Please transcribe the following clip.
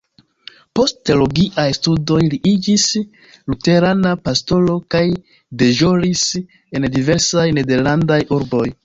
Post teologiaj studoj li iĝis luterana pastoro, kaj deĵoris en diversaj nederlandaj urboj.